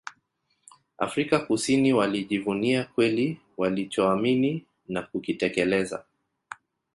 Afrika Kusini Walijivunia kweli walichoamini na kukitekeleza